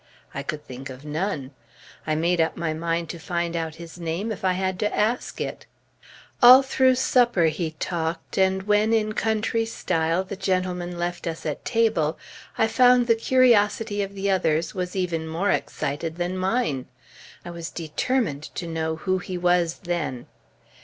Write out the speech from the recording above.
I could think of none. I made up my mind to find out his name if I had to ask it. All through supper he talked, and when, in country style, the gentlemen left us at table, I found the curiosity of the others was even more excited than mine. I was determined to know who he was, then.